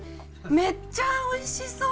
めっちゃおいしそう！